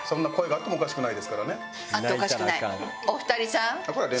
あっておかしくない。